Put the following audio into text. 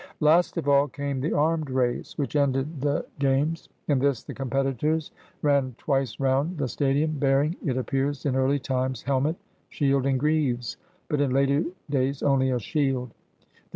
Last of all came the armed race, which ended the 70 AT THE OLYMPIAN GAMES games. In this the competitors ran twice round the stadium, bearing, it appears, in early times, helmet, shield, and greaves, but in later days only a shield.